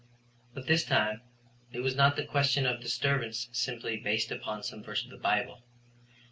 But this time it was not the question of a disturbance simply based upon some verse of the Bible.